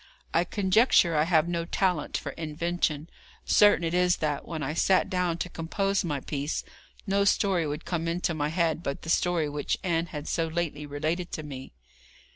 I conjecture I have no talent for invention. Certain it is that, when I sat down to compose my piece, no story would come into my head but the story which Ann had so lately related to me.